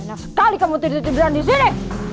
enak sekali kamu tidur tiduran di sini